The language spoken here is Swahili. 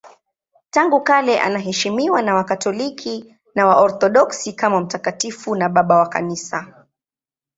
Tangu kale anaheshimiwa na Wakatoliki na Waorthodoksi kama mtakatifu na Baba wa Kanisa.